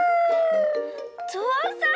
ぞうさん！